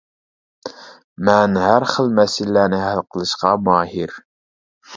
مەن ھەر خىل مەسىلىلەرنى ھەل قىلىشقا ماھىر.